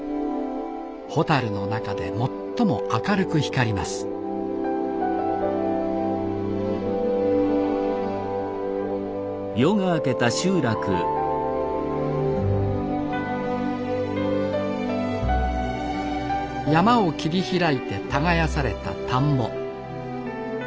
ホタルの中で最も明るく光ります山を切り開いて耕された田んぼ。